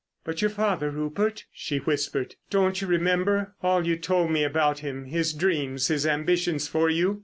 "But your father, Rupert?" she whispered. "Don't you remember—all you told me about him, his dreams, his ambitions for you?